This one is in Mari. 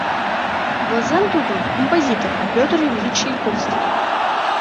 Возен тудым композитор Петр Ильич Чайковский.